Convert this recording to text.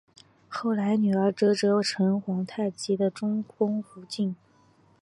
后来女儿哲哲成皇太极的中宫福晋。